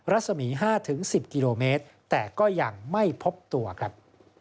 รัศมี๕๑๐กิโลเมตรแต่ก็ยังไม่พบตัวครับ